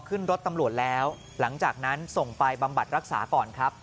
ขึ้นรถตำรวจแล้วหลังจากนั้นส่งไปบำบัดรักษาก่อนครับ